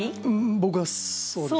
僕はそうですね。